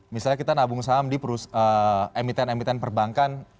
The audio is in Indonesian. misalnya kita nabung saham di emiten emiten perbankan